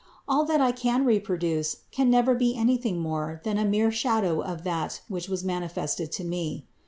All that I can reproduce can never be anything more than a mere shadow of that which was manifested to me.